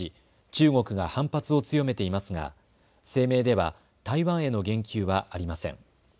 中国が反発を強めていますが声明では台湾への言及はありません。